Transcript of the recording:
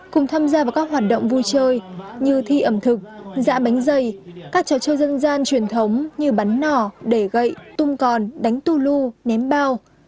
cùng tham gia vào các hoạt động vui chơi như thi ẩm thực dạ bánh dày các trò chơi dân gian truyền thống như bánh nỏ đẻ gậy tum còn đánh tu lu ném bao